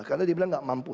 karena dia bilang gak mampu